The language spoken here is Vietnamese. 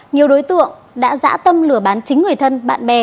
nhiều đối tượng đã giã tâm lửa bán chính người thân bạn bè